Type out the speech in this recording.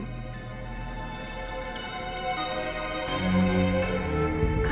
kamu mah sama orang tua teh menilainya teh neneknya